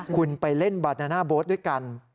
คุณไปเล่นบานาน่าโบ๊ทด้วยกัน